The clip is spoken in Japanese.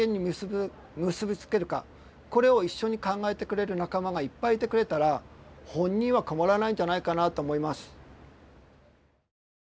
これを一緒に考えてくれる仲間がいっぱいいてくれたら本人は困らないんじゃないかなと思います。